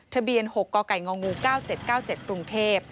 ทะเบียน๖กกง๙๗๙๗กรุงเทพฯ